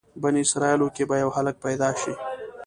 بني اسرایلو کې به یو هلک پیدا شي.